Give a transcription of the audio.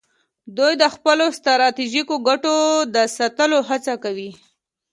دوی د خپلو ستراتیژیکو ګټو د ساتلو هڅه کوي